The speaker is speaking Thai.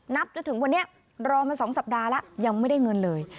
จนถึงวันนี้รอมา๒สัปดาห์แล้วยังไม่ได้เงินเลย